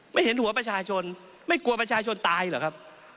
เห็นหัวประชาชนไม่กลัวประชาชนตายเหรอครับ